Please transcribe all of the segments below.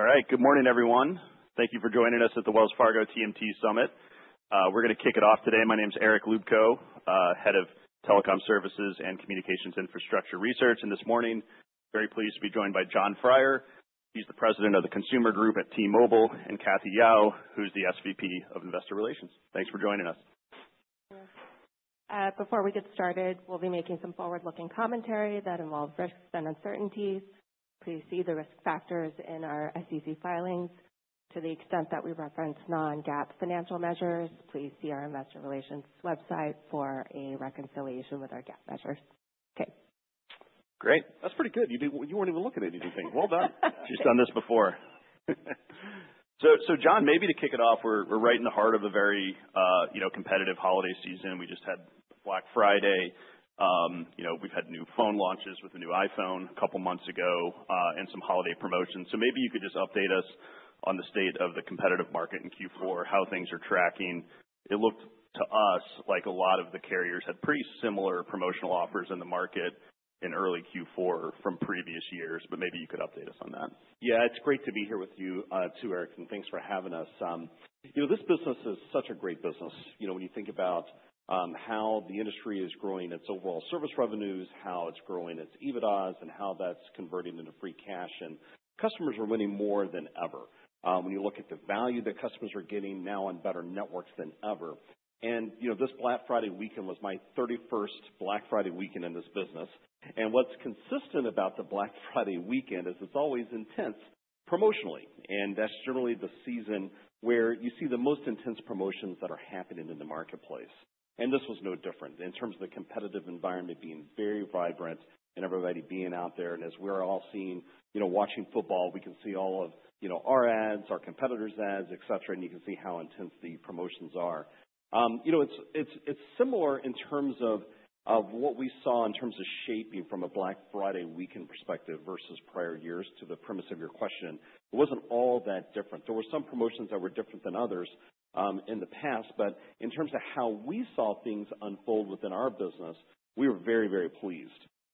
All right, good morning everyone. Thank you for joining us at the Wells Fargo TMT Summit. We're gonna kick it off today. My name's Eric Luebchow, head of Telecom Services and Communications Infrastructure Research, and this morning, very pleased to be joined by Jon Freier. He's the President of the Consumer Group at T-Mobile, and Cathy Yao, who's the SVP of Investor Relations. Thanks for joining us. Before we get started, we'll be making some forward-looking commentary that involves risks and uncertainties. Please see the risk factors in our SEC filings to the extent that we reference non-GAAP financial measures. Please see our Investor Relations website for a reconciliation with our GAAP measures. Okay. Great. That's pretty good. You didn't—you weren't even looking at anything. Well done. She's done this before. So, Jon, maybe to kick it off, we're right in the heart of a very, you know, competitive holiday season. We just had Black Friday. You know, we've had new phone launches with the new iPhone a couple months ago, and some holiday promotions. So maybe you could just update us on the state of the competitive market in Q4, how things are tracking. It looked to us like a lot of the carriers had pretty similar promotional offers in the market in early Q4 from previous years, but maybe you could update us on that. Yeah, it's great to be here with you, too, Eric, and thanks for having us. You know, this business is such a great business. You know, when you think about how the industry is growing its overall service revenues, how it's growing its EBITDAs, and how that's converting into free cash, and customers are winning more than ever. When you look at the value that customers are getting now on better networks than ever. You know, this Black Friday weekend was my 31st Black Friday weekend in this business. What's consistent about the Black Friday weekend is it's always intense promotionally. That's generally the season where you see the most intense promotions that are happening in the marketplace. This was no different in terms of the competitive environment being very vibrant and everybody being out there. As we're all seeing, you know, watching football, we can see all of, you know, our ads, our competitors' ads, etc., and you can see how intense the promotions are. You know, it's similar in terms of what we saw in terms of shaping from a Black Friday weekend perspective versus prior years to the premise of your question. It wasn't all that different. There were some promotions that were different than others in the past, but in terms of how we saw things unfold within our business, we were very, very pleased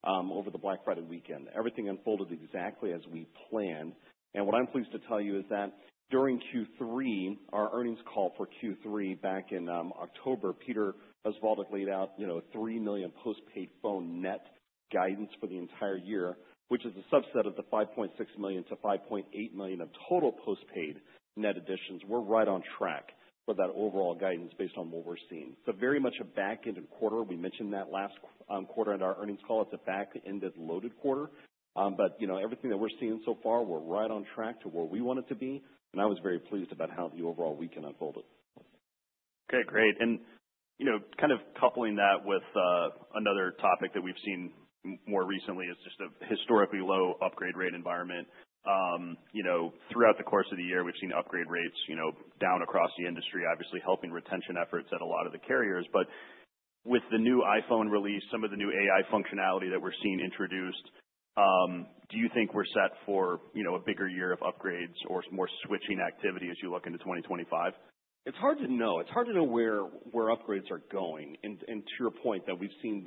over the Black Friday weekend. Everything unfolded exactly as we planned. And what I'm pleased to tell you is that during Q3, our earnings call for Q3 back in October, Peter Osvaldik laid out, you know, 3 million postpaid phone net guidance for the entire year, which is a subset of the 5.6 million-5.8 million of total postpaid net additions. We're right on track for that overall guidance based on what we're seeing. So very much a back-ended quarter. We mentioned that last quarter in our earnings call. It's a back-end loaded quarter, but you know, everything that we're seeing so far, we're right on track to where we want it to be. I was very pleased about how the overall weekend unfolded. Okay, great. You know, kind of coupling that with another topic that we've seen more recently is just a historically low upgrade rate environment. You know, throughout the course of the year, we've seen upgrade rates you know down across the industry, obviously helping retention efforts at a lot of the carriers. But with the new iPhone release, some of the new AI functionality that we're seeing introduced, do you think we're set for you know a bigger year of upgrades or more switching activity as you look into 2025? It's hard to know. It's hard to know where upgrades are going. To your point that we've seen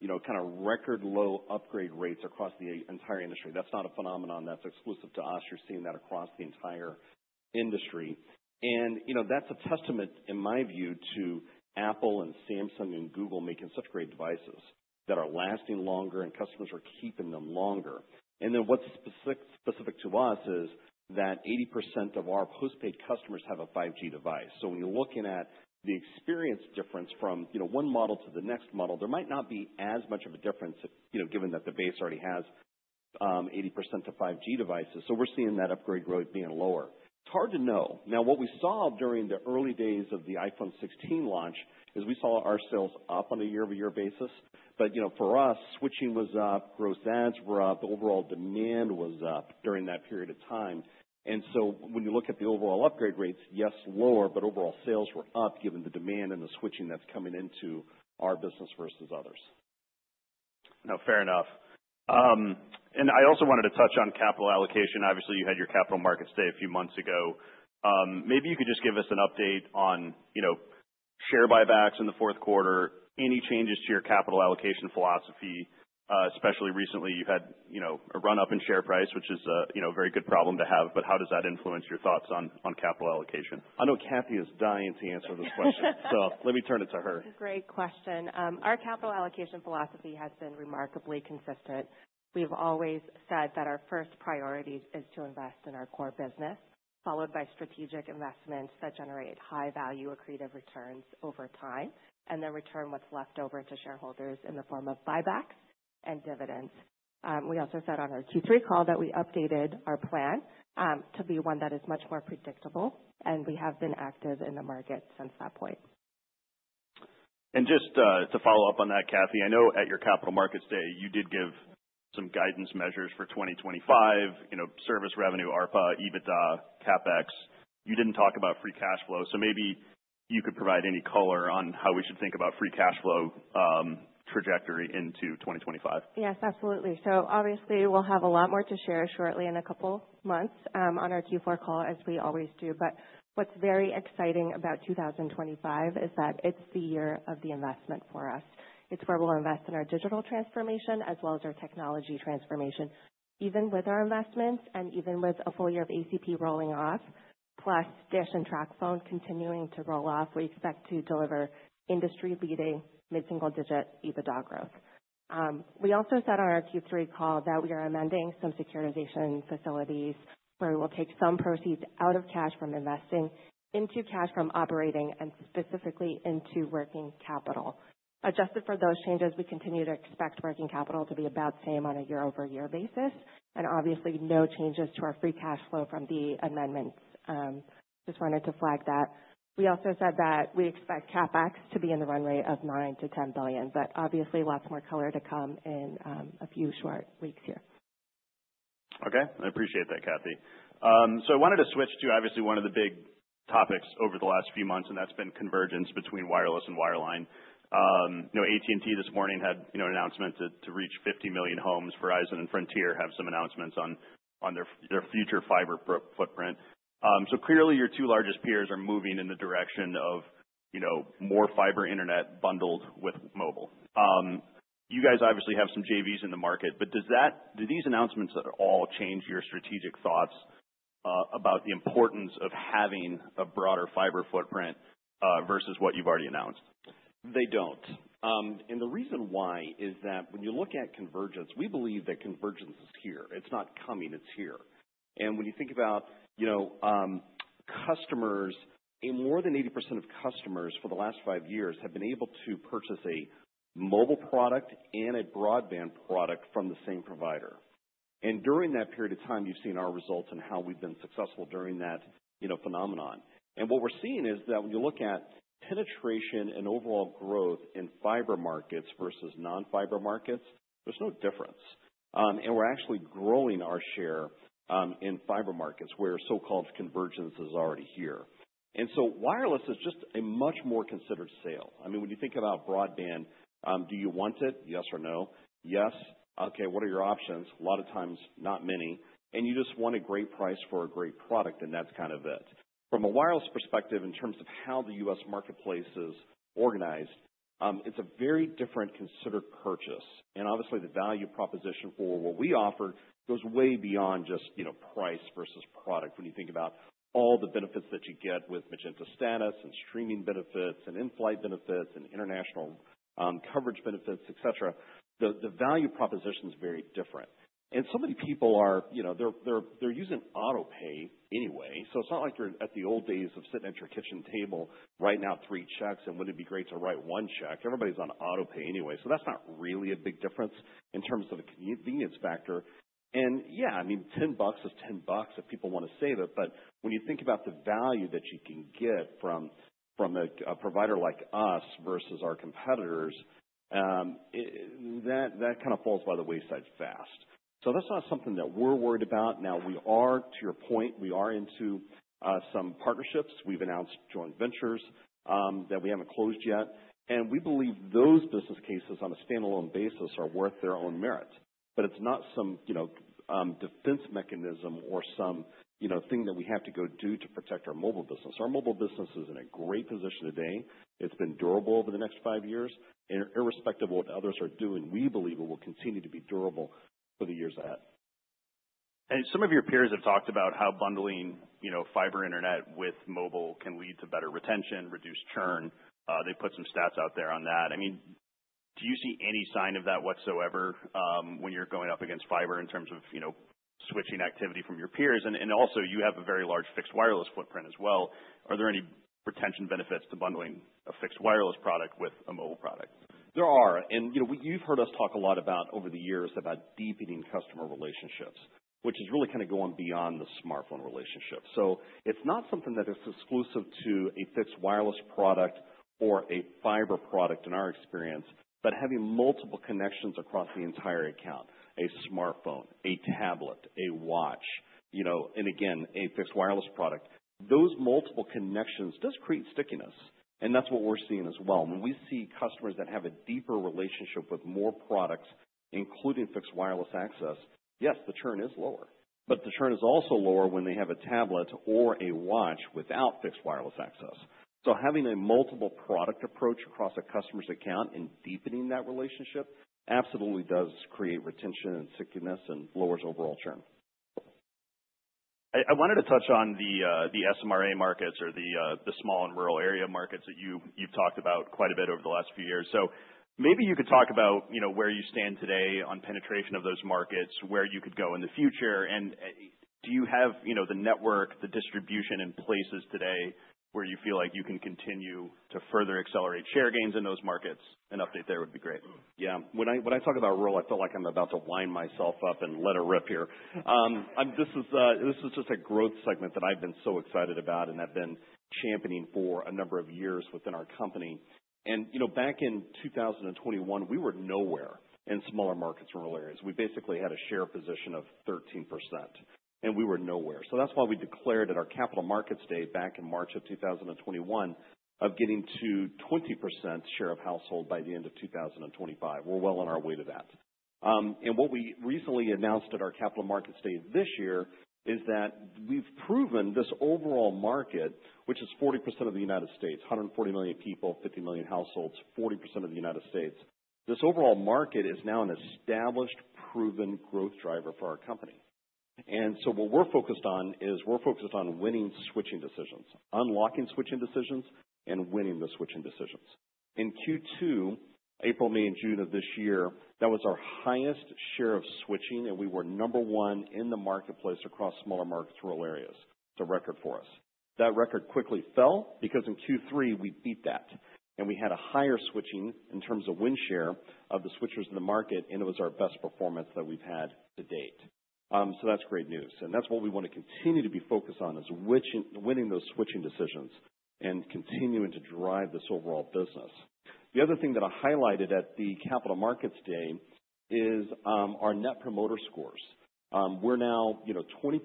these, you know, kind of record low upgrade rates across the entire industry. That's not a phenomenon that's exclusive to us. You're seeing that across the entire industry. You know, that's a testament, in my view, to Apple and Samsung and Google making such great devices that are lasting longer and customers are keeping them longer. What's specific to us is that 80% of our postpaid customers have a 5G device. So when you're looking at the experience difference from, you know, one model to the next model, there might not be as much of a difference, you know, given that the base already has 80% of 5G devices. We're seeing that upgrade rate being lower. It's hard to know. Now, what we saw during the early days of the iPhone 16 launch is we saw our sales up on a year-over-year basis. But, you know, for us, switching was up, gross adds were up, overall demand was up during that period of time. And so when you look at the overall upgrade rates, yes, lower, but overall sales were up given the demand and the switching that's coming into our business versus others. No, fair enough, and I also wanted to touch on capital allocation. Obviously, you had your Capital Markets Day a few months ago. Maybe you could just give us an update on, you know, share buybacks in the fourth quarter, any changes to your capital allocation philosophy, especially recently. You had, you know, a run-up in share price, which is a, you know, very good problem to have, but how does that influence your thoughts on capital allocation? I know Cathy is dying to answer this question, so let me turn it to her. Great question. Our capital allocation philosophy has been remarkably consistent. We've always said that our first priority is to invest in our core business, followed by strategic investments that generate high-value accretive returns over time, and then return what's left over to shareholders in the form of buybacks and dividends. We also said on our Q3 call that we updated our plan to be one that is much more predictable, and we have been active in the market since that point. Just, to follow up on that, Cathy, I know at your Capital Markets Day, you did give some guidance measures for 2025, you know, service revenue, ARPA, EBITDA, CapEx. You didn't talk about free cash flow, so maybe you could provide any color on how we should think about free cash flow, trajectory into 2025. Yes, absolutely. So obviously, we'll have a lot more to share shortly in a couple months, on our Q4 call, as we always do. But what's very exciting about 2025 is that it's the year of the investment for us. It's where we'll invest in our digital transformation as well as our technology transformation. Even with our investments and even with a full year of ACP rolling off, plus DISH and TracFone continuing to roll off, we expect to deliver industry-leading mid-single-digit EBITDA growth. We also said on our Q3 call that we are amending some securitization facilities where we will take some proceeds out of cash from investing into cash from operating and specifically into working capital. Adjusted for those changes, we continue to expect working capital to be about the same on a year-over-year basis, and obviously no changes to our free cash flow from the amendments. Just wanted to flag that. We also said that we expect CapEx to be in the run rate of $9 billion-$10 billion. But obviously, lots more color to come in a few short weeks here. Okay. I appreciate that, Cathy. So I wanted to switch to obviously one of the big topics over the last few months, and that's been convergence between wireless and wireline. You know, AT&T this morning had, you know, an announcement to, to reach 50 million homes. Verizon and Frontier have some announcements on, on their, their future fiber footprint. So clearly your two largest peers are moving in the direction of, you know, more fiber internet bundled with mobile. You guys obviously have some JVs in the market, but does that, do these announcements at all change your strategic thoughts, about the importance of having a broader fiber footprint, versus what you've already announced? They don't. And the reason why is that when you look at convergence, we believe that convergence is here. It's not coming. It's here. And when you think about, you know, customers, more than 80% of customers for the last five years have been able to purchase a mobile product and a broadband product from the same provider. And during that period of time, you've seen our results and how we've been successful during that, you know, phenomenon. And what we're seeing is that when you look at penetration and overall growth in fiber markets versus non-fiber markets, there's no difference. And we're actually growing our share, in fiber markets where so-called convergence is already here. And so wireless is just a much more considered sale. I mean, when you think about broadband, do you want it? Yes or no? Yes. Okay. What are your options? A lot of times, not many. And you just want a great price for a great product, and that's kind of it. From a wireless perspective, in terms of how the U.S. marketplace is organized, it's a very different considered purchase. And obviously, the value proposition for what we offer goes way beyond just, you know, price versus product. When you think about all the benefits that you get with Magenta Status and streaming benefits and in-flight benefits and international coverage benefits, etc., the value proposition is very different. And so many people are, you know, they're using AutoPay anyway. So it's not like you're at the old days of sitting at your kitchen table writing out three checks and wouldn't it be great to write one check. Everybody's on AutoPay anyway. So that's not really a big difference in terms of a convenience factor. And yeah, I mean, $10 is $10 if people want to save it. But when you think about the value that you can get from a provider like us versus our competitors, that kind of falls by the wayside fast. So that's not something that we're worried about. Now, to your point, we are into some partnerships. We've announced joint ventures that we haven't closed yet. And we believe those business cases on a standalone basis are worth their own merit. But it's not some, you know, defense mechanism or some, you know, thing that we have to go do to protect our mobile business. Our mobile business is in a great position today. It's been durable over the next five years. And irrespective of what others are doing, we believe it will continue to be durable for the years ahead. And some of your peers have talked about how bundling, you know, fiber internet with mobile can lead to better retention, reduced churn. They put some stats out there on that. I mean, do you see any sign of that whatsoever, when you're going up against fiber in terms of, you know, switching activity from your peers? And also you have a very large fixed wireless footprint as well. Are there any retention benefits to bundling a fixed wireless product with a mobile product? There are. And, you know, we've heard us talk a lot about over the years about deepening customer relationships, which is really kind of going beyond the smartphone relationship. It's not something that is exclusive to a fixed wireless product or a fiber product in our experience, but having multiple connections across the entire account, a smartphone, a tablet, a watch, you know, and again, a fixed wireless product, those multiple connections do create stickiness. That's what we're seeing as well. When we see customers that have a deeper relationship with more products, including fixed wireless access, yes, the churn is lower. The churn is also lower when they have a tablet or a watch without fixed wireless access. Having a multiple product approach across a customer's account and deepening that relationship absolutely does create retention and stickiness and lowers overall churn. I wanted to touch on the SMRA markets or the small and rural area markets that you've talked about quite a bit over the last few years. So maybe you could talk about, you know, where you stand today on penetration of those markets, where you could go in the future. And do you have, you know, the network, the distribution in places today where you feel like you can continue to further accelerate share gains in those markets? An update there would be great. Yeah. When I talk about rural, I feel like I'm about to wind myself up and let a rip here. This is just a growth segment that I've been so excited about and have been championing for a number of years within our company. And, you know, back in 2021, we were nowhere in smaller markets and rural areas. We basically had a share position of 13%, and we were nowhere. So that's why we declared at our Capital Markets Day back in March of 2021 of getting to 20% share of household by the end of 2025. We're well on our way to that. And what we recently announced at our Capital Markets Day this year is that we've proven this overall market, which is 40% of the United States, 140 million people, 50 million households, 40% of the United States. This overall market is now an established proven growth driver for our company. And so what we're focused on is we're focused on winning switching decisions, unlocking switching decisions, and winning the switching decisions. In Q2, April, May, and June of this year, that was our highest share of switching, and we were number one in the marketplace across smaller markets and rural areas. It's a record for us. That record quickly fell because in Q3 we beat that, and we had a higher switching in terms of win share of the switchers in the market, and it was our best performance that we've had to date. So that's great news. And that's what we want to continue to be focused on is which, winning those switching decisions and continuing to drive this overall business. The other thing that I highlighted at the Capital Markets Day is, our Net Promoter Score. We're now, you know, 20%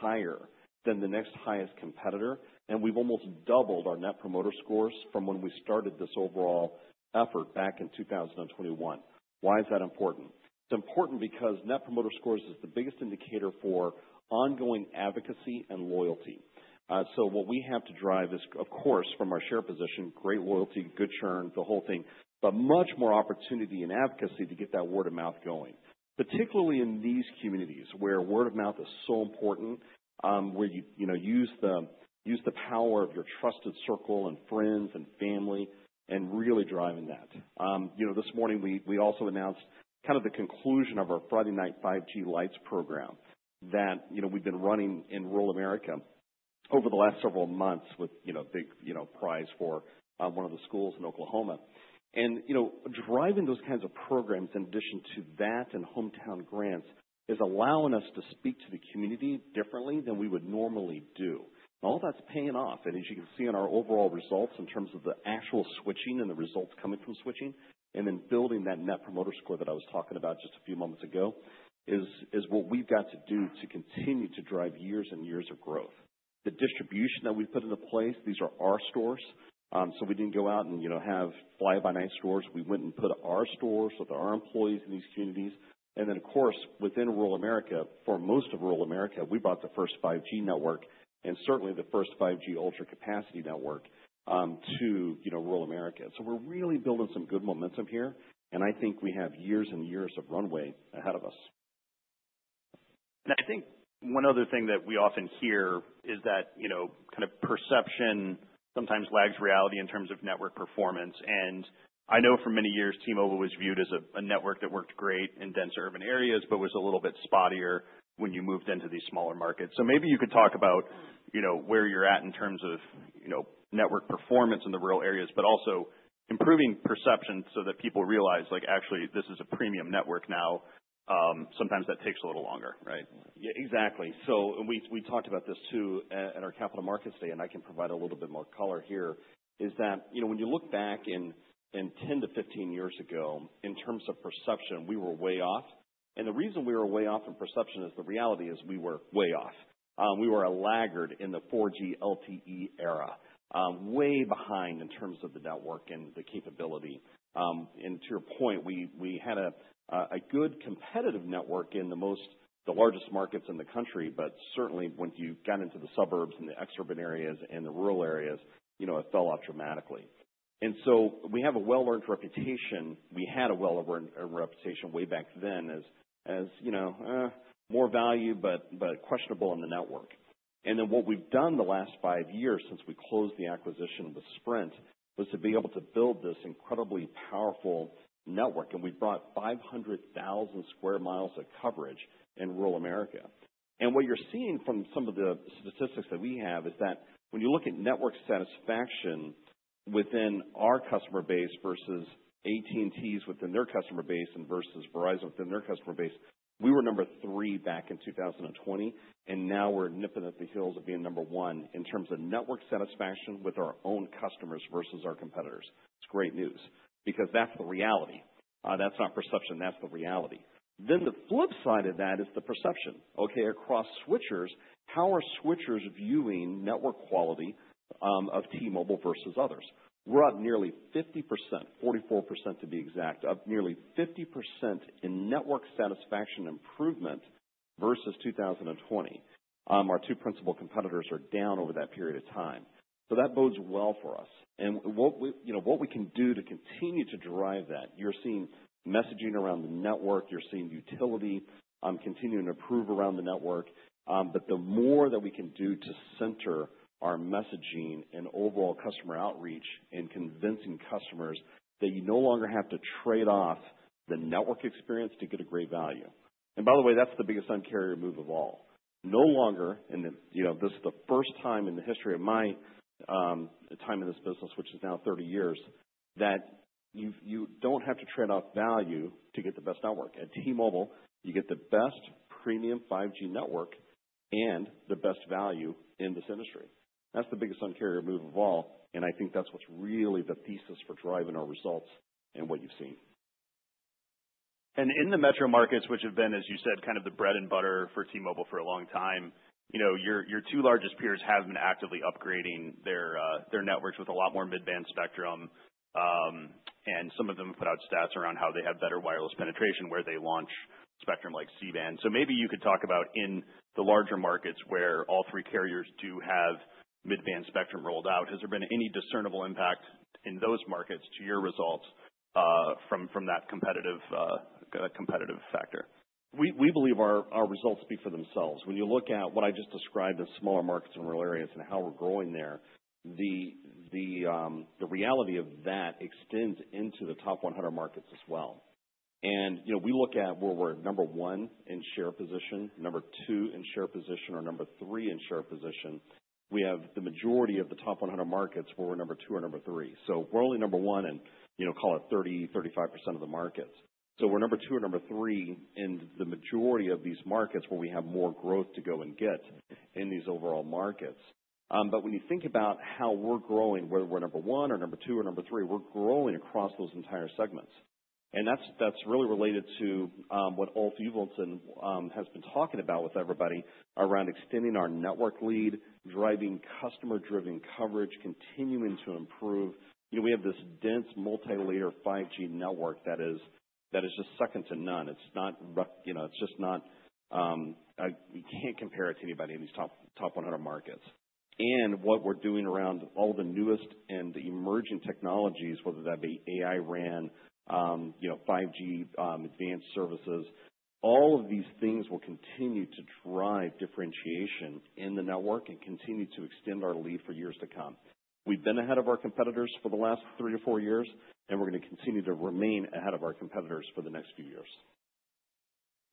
higher than the next highest competitor, and we've almost doubled our Net Promoter Score from when we started this overall effort back in 2021. Why is that important? It's important because Net Promoter Score is the biggest indicator for ongoing advocacy and loyalty. So what we have to drive is, of course, from our share position, great loyalty, good churn, the whole thing, but much more opportunity and advocacy to get that word of mouth going, particularly in these communities where word of mouth is so important, where you know use the power of your trusted circle and friends and family and really driving that. You know, this morning we also announced kind of the conclusion of our Friday Night 5G Lights program that, you know, we've been running in rural America over the last several months with, you know, big prize for one of the schools in Oklahoma. You know, driving those kinds of programs in addition to that and Hometown Grants is allowing us to speak to the community differently than we would normally do. And all that's paying off. And as you can see in our overall results in terms of the actual switching and the results coming from switching, and then building that Net Promoter Score that I was talking about just a few moments ago is what we've got to do to continue to drive years and years of growth. The distribution that we've put into place, these are our stores. So we didn't go out and, you know, have fly-by-night stores. We went and put our stores with our employees in these communities. And then, of course, within rural America, for most of rural America, we brought the first 5G network and certainly the first 5G Ultra Capacity network to, you know, rural America. So we're really building some good momentum here, and I think we have years and years of runway ahead of us. And I think one other thing that we often hear is that, you know, kind of perception sometimes lags reality in terms of network performance. And I know for many years, T-Mobile was viewed as a network that worked great in dense urban areas, but was a little bit spottier when you moved into these smaller markets. So maybe you could talk about, you know, where you're at in terms of, you know, network performance in the rural areas, but also improving perception so that people realize, like, actually, this is a premium network now. Sometimes that takes a little longer, right? Yeah, exactly. So we talked about this too at our Capital Markets Day, and I can provide a little bit more color here is that, you know, when you look back in 10-15 years ago in terms of perception, we were way off. And the reason we were way off in perception is the reality is we were way off. We were a laggard in the 4G LTE era, way behind in terms of the network and the capability. And to your point, we had a good competitive network in the largest markets in the country, but certainly when you got into the suburbs and the exurban areas and the rural areas, you know, it fell off dramatically. And so we have a well-earned reputation. We had a well-earned reputation way back then as you know more value, but questionable in the network, and then what we've done the last five years since we closed the acquisition with Sprint was to be able to build this incredibly powerful network, and we brought 500,000 square miles of coverage in rural America, and what you're seeing from some of the statistics that we have is that when you look at network satisfaction within our customer base versus AT&T's within their customer base and versus Verizon within their customer base, we were number three back in 2020, and now we're nipping at the heels of being number one in terms of network satisfaction with our own customers versus our competitors. It's great news because that's the reality. That's not perception. That's the reality, then the flip side of that is the perception. Okay.Across switchers, how are switchers viewing network quality of T-Mobile versus others? We're up nearly 50%, 44% to be exact, up nearly 50% in network satisfaction improvement versus 2020. Our two principal competitors are down over that period of time. So that bodes well for us. And what we, you know, what we can do to continue to drive that, you're seeing messaging around the network. You're seeing utility, continuing to improve around the network. But the more that we can do to center our messaging and overall customer outreach and convincing customers that you no longer have to trade off the network experience to get a great value. And by the way, that's the biggest uncarrier move of all. No longer, and you know, this is the first time in the history of my, time in this business, which is now 30 years, that you, you don't have to trade off value to get the best network. At T-Mobile, you get the best premium 5G network and the best value in this industry. That's the biggest uncarrier move of all. And I think that's what's really the thesis for driving our results and what you've seen. And in the metro markets, which have been, as you said, kind of the bread and butter for T-Mobile for a long time, you know, your two largest peers have been actively upgrading their networks with a lot more mid-band spectrum. And some of them put out stats around how they have better wireless penetration where they launch spectrum like C-band. So maybe you could talk about in the larger markets where all three carriers do have mid-band spectrum rolled out. Has there been any discernible impact in those markets to your results, from that competitive factor? We believe our results speak for themselves. When you look at what I just described in smaller markets and rural areas and how we're growing there, the reality of that extends into the top 100 markets as well. You know, we look at where we're number one in share position, number two in share position, or number three in share position. We have the majority of the top 100 markets where we're number two or number three. So we're only number one in, you know, call it 30%-35% of the markets. So we're number two or number three in the majority of these markets where we have more growth to go and get in these overall markets. But when you think about how we're growing, whether we're number one or number two or number three, we're growing across those entire segments. And that's really related to what Ulf Ewaldsson has been talking about with everybody around extending our network lead, driving customer-driven coverage, continuing to improve. You know, we have this dense multi-layer 5G network that is just second to none. It's not, you know, it's just not, you can't compare it to anybody in these top 100 markets. And what we're doing around all the newest and the emerging technologies, whether that be AI-RAN, you know, 5G advanced services, all of these things will continue to drive differentiation in the network and continue to extend our lead for years to come. We've been ahead of our competitors for the last three to four years, and we're going to continue to remain ahead of our competitors for the next few years.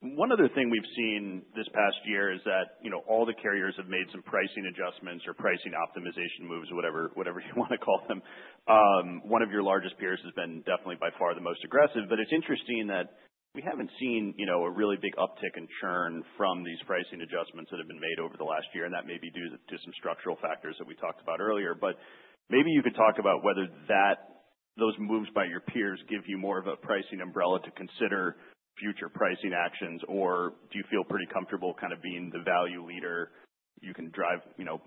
One other thing we've seen this past year is that, you know, all the carriers have made some pricing adjustments or pricing optimization moves or whatever, whatever you want to call them. One of your largest peers has been definitely by far the most aggressive. But it's interesting that we haven't seen, you know, a really big uptick in churn from these pricing adjustments that have been made over the last year. And that may be due to some structural factors that we talked about earlier. But maybe you could talk about whether that, those moves by your peers give you more of a pricing umbrella to consider future pricing actions, or do you feel pretty comfortable kind of being the value leader? You can drive, you know,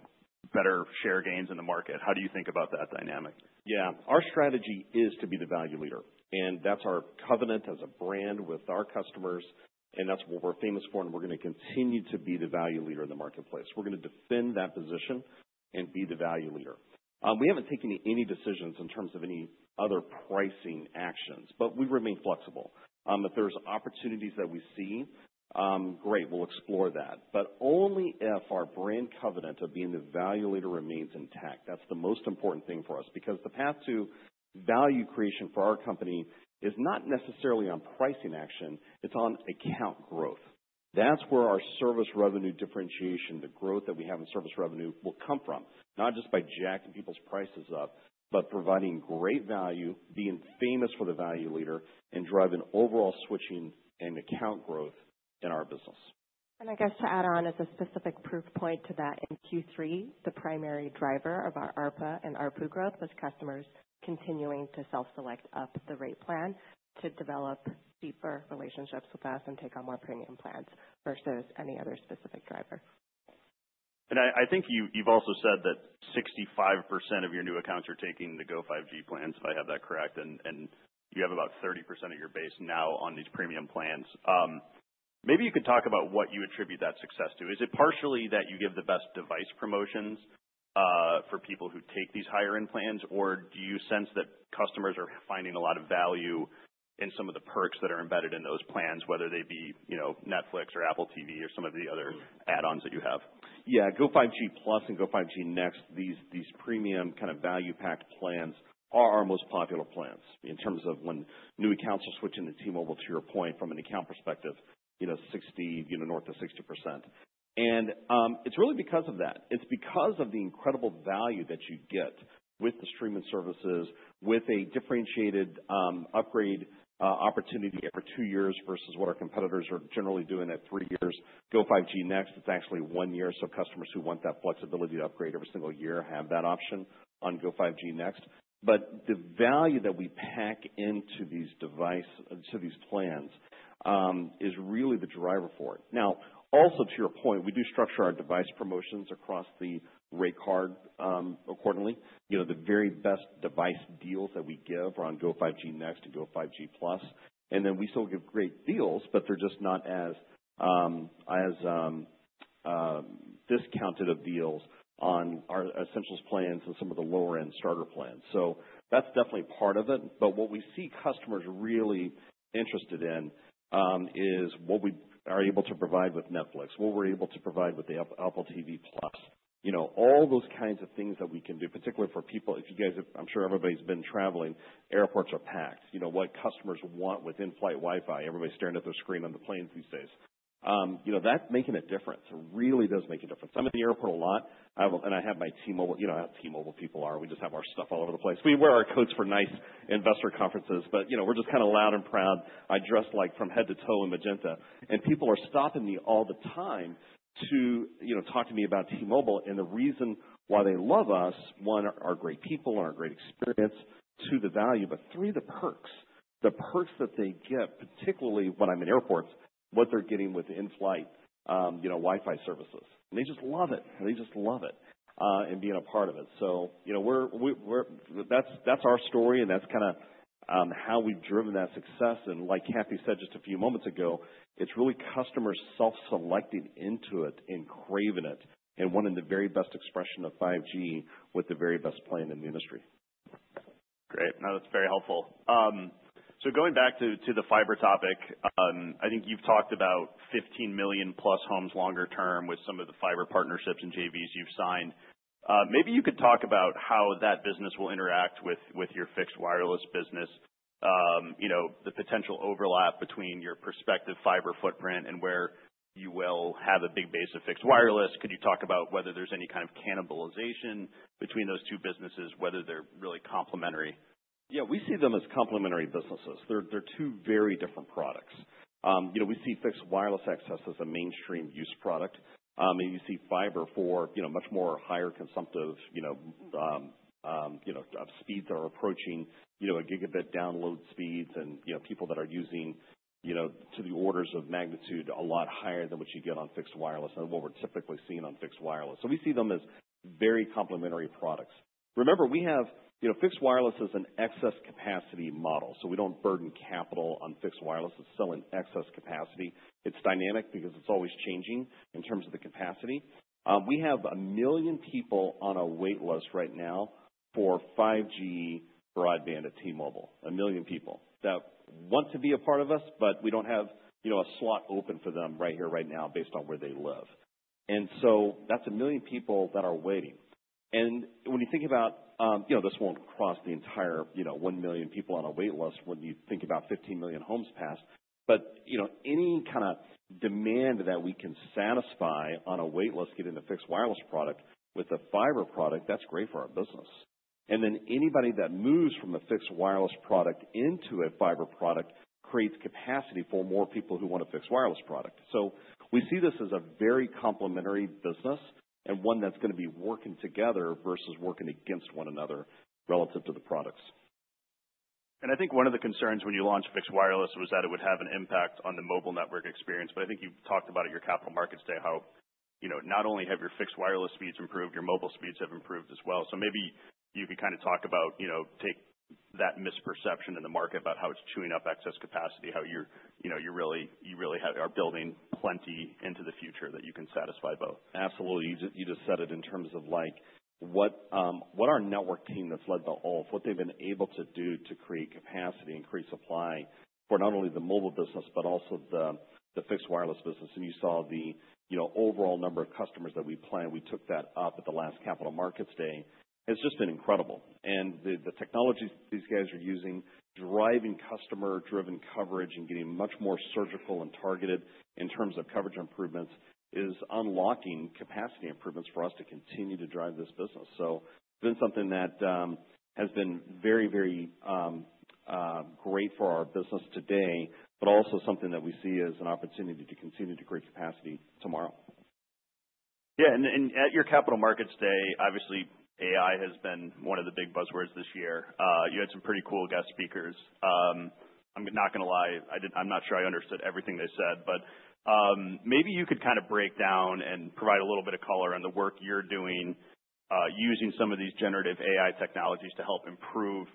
better share gains in the market. How do you think about that dynamic? Yeah. Our strategy is to be the value leader, and that's our covenant as a brand with our customers, and that's what we're famous for, and we're going to continue to be the value leader in the marketplace. We're going to defend that position and be the value leader. We haven't taken any decisions in terms of any other pricing actions, but we remain flexible. If there's opportunities that we see, great, we'll explore that, but only if our brand covenant of being the value leader remains intact. That's the most important thing for us because the path to value creation for our company is not necessarily on pricing action. It's on account growth. That's where our service revenue differentiation, the growth that we have in service revenue will come from, not just by jacking people's prices up, but providing great value, being famous for the value leader, and driving overall switching and account growth in our business. I guess to add on as a specific proof point to that in Q3, the primary driver of our ARPA and ARPU growth was customers continuing to self-select up the rate plan to develop deeper relationships with us and take on more premium plans versus any other specific driver. I think you've also said that 65% of your new accounts are taking the Go5G plans, if I have that correct. You have about 30% of your base now on these premium plans. Maybe you could talk about what you attribute that success to. Is it partially that you give the best device promotions, for people who take these higher-end plans, or do you sense that customers are finding a lot of value in some of the perks that are embedded in those plans, whether they be, you know, Netflix or Apple TV or some of the other add-ons that you have? Yeah. Go5G Plus and Go5G Next, these premium kind of value-packed plans are our most popular plans in terms of when new accounts are switching to T-Mobile, to your point, from an account perspective, you know, 60, you know, north of 60%. And it's really because of that. It's because of the incredible value that you get with the streaming services, with a differentiated upgrade opportunity every two years versus what our competitors are generally doing at three years. Go5G Next, it's actually one year. So customers who want that flexibility to upgrade every single year have that option on Go5G Next. But the value that we pack into these device, to these plans, is really the driver for it. Now, also to your point, we do structure our device promotions across the rate card, accordingly. You know, the very best device deals that we give are on Go5G Next and Go5G Plus. And then we still give great deals, but they're just not as discounted deals on our Essentials plans and some of the lower-end starter plans. So that's definitely part of it. But what we see customers really interested in is what we are able to provide with Netflix, what we're able to provide with the Apple TV+, you know, all those kinds of things that we can do, particularly for people. If you guys, I'm sure everybody's been traveling, airports are packed. You know, what customers want with in-flight Wi-Fi, everybody staring at their screen on the planes these days. You know, that's making a difference. It really does make a difference. I'm at the airport a lot. I have, and I have my T-Mobile, you know, how T-Mobile people are. We just have our stuff all over the place. We wear our coats for nice investor conferences, but, you know, we're just kind of loud and proud, dressed like from head to toe in magenta, and people are stopping me all the time to, you know, talk to me about T-Mobile, and the reason why they love us, one, are our great people and our great experience, two, the value, but three, the perks. The perks that they get, particularly when I'm in airports, what they're getting with in-flight, you know, Wi-Fi services, and they just love it. They just love it, and being a part of it. So, you know, that's our story, and that's kind of how we've driven that success. Like Cathy said just a few moments ago, it's really customers self-selecting into it and craving it and wanting the very best expression of 5G with the very best plan in the industry. Great. No, that's very helpful, so going back to the fiber topic, I think you've talked about 15 million plus homes longer term with some of the fiber partnerships and JVs you've signed. Maybe you could talk about how that business will interact with your fixed wireless business, you know, the potential overlap between your prospective fiber footprint and where you will have a big base of fixed wireless. Could you talk about whether there's any kind of cannibalization between those two businesses, whether they're really complementary? Yeah. We see them as complementary businesses. They're two very different products. You know, we see fixed wireless access as a mainstream use product, and you see fiber for, you know, much more higher consumptive, you know, you know, speeds that are approaching, you know, a gigabit download speeds and, you know, people that are using, you know, to the orders of magnitude a lot higher than what you get on fixed wireless than what we're typically seeing on fixed wireless. So we see them as very complementary products. Remember, we have, you know, fixed wireless is an excess capacity model. So we don't burden capital on fixed wireless. It's still in excess capacity. It's dynamic because it's always changing in terms of the capacity. We have a million people on a wait list right now for 5G broadband at T-Mobile, a million people that want to be a part of us, but we don't have, you know, a slot open for them right here, right now, based on where they live. And so that's a million people that are waiting. And when you think about, you know, this won't cross the entire, you know, 1 million people on a wait list when you think about 15 million homes passed. But, you know, any kind of demand that we can satisfy on a wait list getting a fixed wireless product with a fiber product, that's great for our business. And then anybody that moves from a fixed wireless product into a fiber product creates capacity for more people who want a fixed wireless product. So we see this as a very complementary business and one that's going to be working together versus working against one another relative to the products. And I think one of the concerns when you launch fixed wireless was that it would have an impact on the mobile network experience. But I think you've talked about it in your capital markets today, how, you know, not only have your fixed wireless speeds improved, your mobile speeds have improved as well. So maybe you could kind of talk about, you know, take that misperception in the market about how it's chewing up excess capacity, how you're, you know, you really, you really are building plenty into the future that you can satisfy both. Absolutely. You just said it in terms of like what our network team that's led by Ulf has been able to do to create capacity, increase supply for not only the mobile business, but also the fixed wireless business, and you saw the, you know, overall number of customers that we planned. We took that up at the last Capital Markets Day. It's just been incredible, and the technologies these guys are using, driving customer-driven coverage and getting much more surgical and targeted in terms of coverage improvements, is unlocking capacity improvements for us to continue to drive this business. It's been something that has been very great for our business today, but also something that we see as an opportunity to continue to create capacity tomorrow. Yeah. And at your Capital Markets Day, obviously AI has been one of the big buzzwords this year. You had some pretty cool guest speakers. I'm not going to lie. I'm not sure I understood everything they said, but maybe you could kind of break down and provide a little bit of color on the work you're doing, using some of these generative AI technologies to help improve,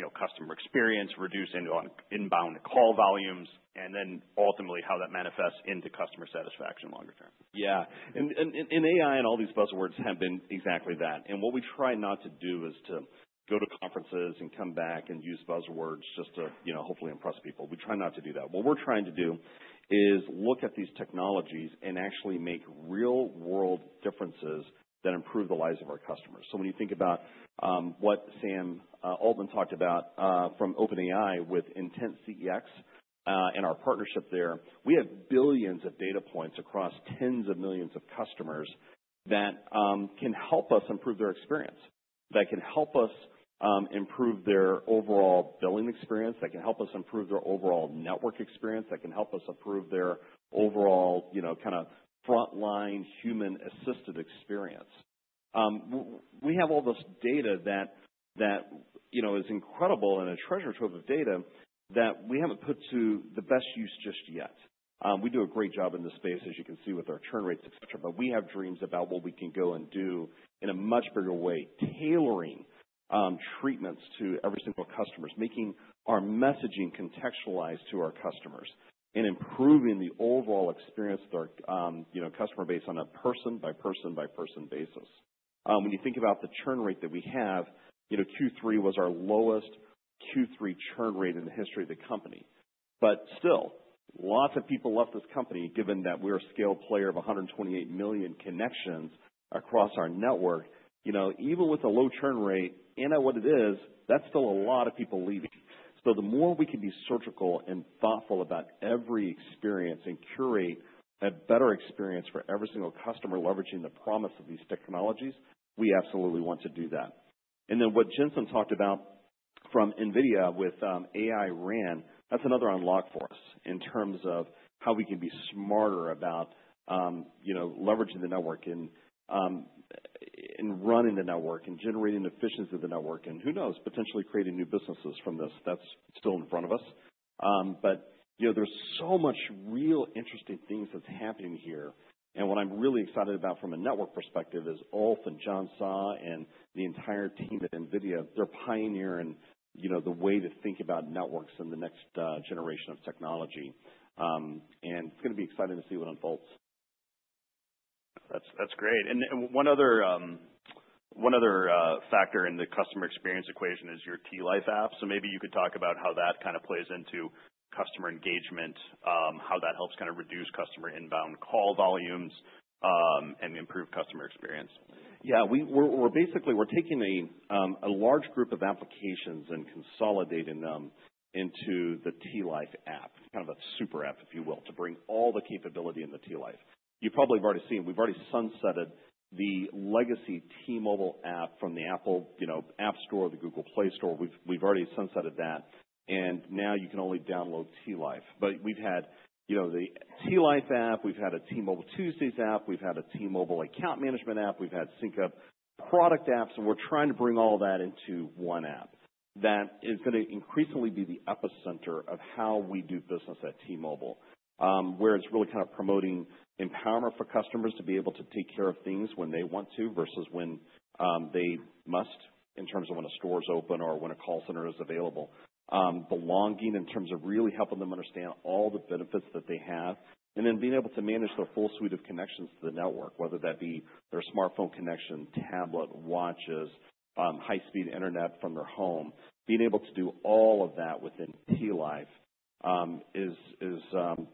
you know, customer experience, reducing inbound call volumes, and then ultimately how that manifests into customer satisfaction longer term. Yeah. And AI and all these buzzwords have been exactly that. And what we try not to do is to go to conferences and come back and use buzzwords just to, you know, hopefully impress people. We try not to do that. What we're trying to do is look at these technologies and actually make real-world differences that improve the lives of our customers. So when you think about what Sam Altman talked about, from OpenAI with IntentCX, and our partnership there, we have billions of data points across tens of millions of customers that can help us improve their experience, that can help us improve their overall billing experience, that can help us improve their overall network experience, that can help us improve their overall, you know, kind of frontline human-assisted experience. We have all this data that you know is incredible and a treasure trove of data that we haven't put to the best use just yet. We do a great job in this space, as you can see, with our churn rates, et cetera. But we have dreams about what we can go and do in a much bigger way, tailoring treatments to every single customer, making our messaging contextualized to our customers and improving the overall experience with our you know customer base on a person-by-person-by-person basis. When you think about the churn rate that we have, you know, Q3 was our lowest Q3 churn rate in the history of the company. But still, lots of people left this company given that we're a scale player of 128 million connections across our network. You know, even with a low churn rate and at what it is, that's still a lot of people leaving. So the more we can be surgical and thoughtful about every experience and curate a better experience for every single customer leveraging the promise of these technologies, we absolutely want to do that. And then what Jensen talked about from NVIDIA with AI-RAN, that's another unlock for us in terms of how we can be smarter about, you know, leveraging the network and running the network and generating efficiency of the network and who knows, potentially creating new businesses from this that's still in front of us. But, you know, there's so much real interesting things that's happening here. And what I'm really excited about from a network perspective is Ulf and John Saw and the entire team at NVIDIA. They're pioneering the way to think about networks in the next generation of technology, and it's going to be exciting to see what unfolds. That's great. And one other factor in the customer experience equation is your T-Life app. So maybe you could talk about how that kind of plays into customer engagement, how that helps kind of reduce customer inbound call volumes, and improve customer experience. Yeah. We're basically taking a large group of applications and consolidating them into the T-Life app, kind of a super app, if you will, to bring all the capability in the T-Life. You probably have already seen, we've already sunsetted the legacy T-Mobile app from the Apple, you know, App Store, the Google Play Store. We've already sunsetted that. And now you can only download T-Life. But we've had, you know, the T-Life app. We've had a T-Mobile Tuesdays app. We've had a T-Mobile account management app. We've had SyncUP product apps. We're trying to bring all that into one app that is going to increasingly be the epicenter of how we do business at T-Mobile, where it's really kind of promoting empowerment for customers to be able to take care of things when they want to versus when they must in terms of when a store is open or when a call center is available, belonging in terms of really helping them understand all the benefits that they have. Then being able to manage their full suite of connections to the network, whether that be their smartphone connection, tablet, watches, high-speed internet from their home, being able to do all of that within T-Life, is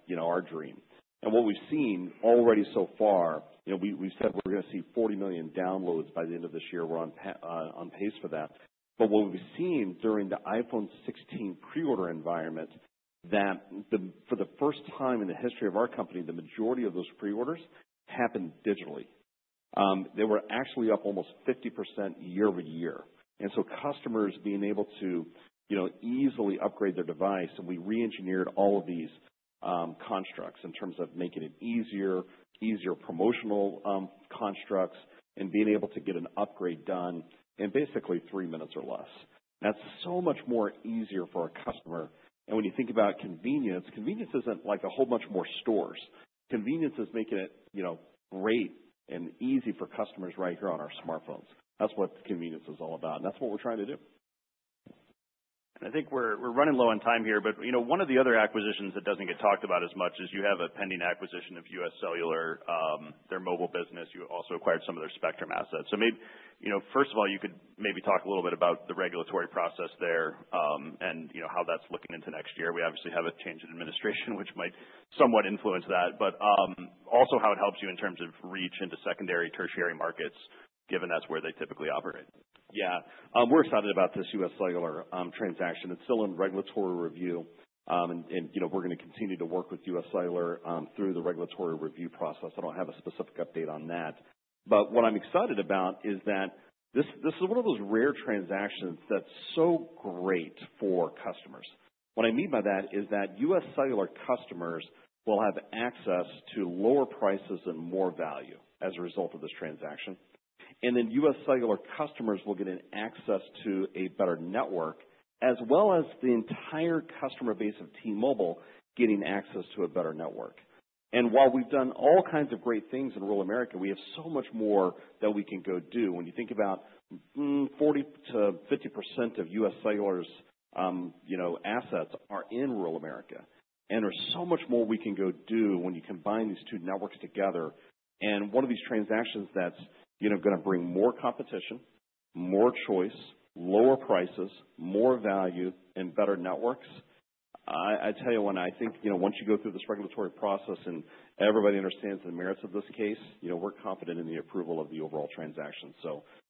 you know, our dream. What we've seen already so far, you know, we said we're going to see 40 million downloads by the end of this year. We're on pace for that. But what we've seen during the iPhone 16 pre-order environment is that for the first time in the history of our company, the majority of those pre-orders happened digitally. They were actually up almost 50% year-over-year. And so customers being able to, you know, easily upgrade their device. And we re-engineered all of these constructs in terms of making it easier promotional constructs and being able to get an upgrade done in basically three minutes or less. That's so much more easier for our customer. And when you think about convenience, convenience isn't like a whole bunch more stores. Convenience is making it, you know, great and easy for customers right here on our smartphones. That's what convenience is all about. And that's what we're trying to do. And I think we're running low on time here. But you know, one of the other acquisitions that doesn't get talked about as much is you have a pending acquisition of UScellular, their mobile business. You also acquired some of their spectrum assets. So maybe you know, first of all, you could maybe talk a little bit about the regulatory process there, and you know, how that's looking into next year. We obviously have a change in administration, which might somewhat influence that, but also how it helps you in terms of reach into secondary, tertiary markets, given that's where they typically operate. Yeah. We're excited about this UScellular transaction. It's still in regulatory review. And, you know, we're going to continue to work with UScellular through the regulatory review process. I don't have a specific update on that. But what I'm excited about is that this, this is one of those rare transactions that's so great for customers. What I mean by that is that UScellular customers will have access to lower prices and more value as a result of this transaction. And then UScellular customers will get access to a better network as well as the entire customer base of T-Mobile getting access to a better network. And while we've done all kinds of great things in rural America, we have so much more that we can go do. When you think about 40%-50% of UScellular's, you know, assets are in rural America. There's so much more we can go do when you combine these two networks together. One of these transactions that's, you know, going to bring more competition, more choice, lower prices, more value, and better networks. I tell you what. I think, you know, once you go through this regulatory process and everybody understands the merits of this case, you know, we're confident in the approval of the overall transaction.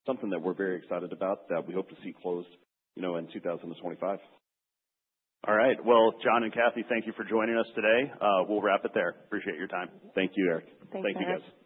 Something that we're very excited about that we hope to see closed, you know, in 2025. All right. Well, Jon and Cathy, thank you for joining us today. We'll wrap it there. Appreciate your time. Thank you, Eric. Thank you, guys.